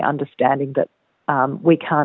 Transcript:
bahwa kita tidak bisa memahami